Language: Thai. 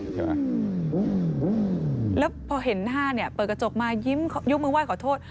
ในค่ะเห็นหน้าเนี้ยเปิดกระจกมายิ้มยกมือไหว้ขอโทษ